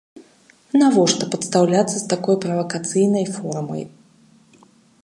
Навошта падстаўляцца з такой правакацыйнай формай?